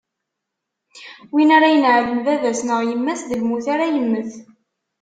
Win ara ineɛlen baba-s neɣ yemma-s, d lmut ara yemmet.